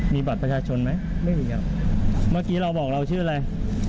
มีบัตรประชาชนไหมไม่มีครับเมื่อกี้เราบอกเราชื่ออะไร